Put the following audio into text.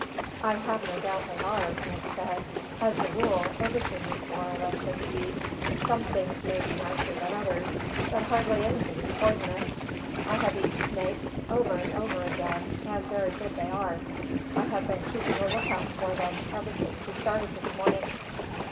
"I have no doubt they are," Ned said. "As a rule, everything is more or less good to eat. Some things may be nicer than others, but hardly anything is poisonous. I have eaten snakes, over and over again, and very good they are. I have been keeping a lookout for them, ever since we started this morning."